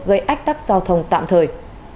gây ách tắc giao thông tạm thời